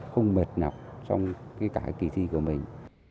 không mệt nọc trong cái cả kỳ thi của mình